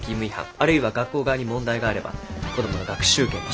あるいは学校側に問題があれば子どもの学習権の侵害。